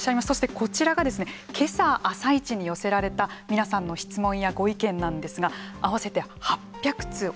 そして、こちらがけさ「あさイチ」に寄せられた皆さんの質問やご意見なんですが合わせて８００通